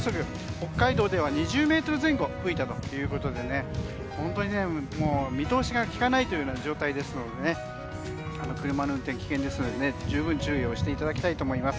北海道では、２０メートル前後吹いたということで見通しがきかない状態ですので車の運転、危険ですので十分、注意していただきたいと思います。